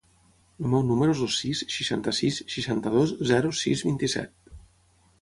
El meu número es el sis, seixanta-sis, seixanta-dos, zero, sis, vint-i-set.